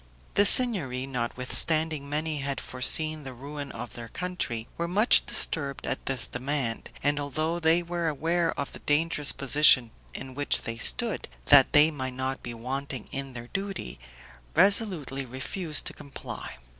The Signory, notwithstanding many had foreseen the ruin of their country, were much disturbed at this demand; and although they were aware of the dangerous position in which they stood, that they might not be wanting in their duty, resolutely refused to comply.